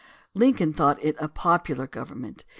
Lincoln thought it a popular government.